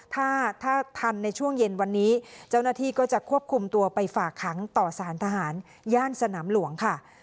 ถ้าถ้าทันในช่วงเย็นวันนี้เจ้าหน้าที่ก็จะควบคุมตัวไปฝากขังต่อสารทหารย่านสนามหลวงค่ะ